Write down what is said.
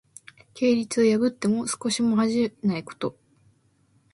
戒律を破っても少しも恥じないこと。